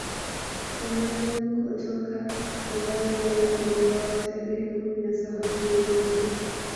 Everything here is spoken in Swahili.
Emmanuel Kotoka ambaye naye aliuawa tarehe kumi na saba mwezi wa nne